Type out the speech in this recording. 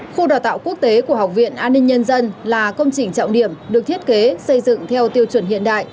khu đào tạo quốc tế của học viện an ninh nhân dân là công trình trọng điểm được thiết kế xây dựng theo tiêu chuẩn hiện đại